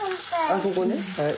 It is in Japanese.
あここねはい。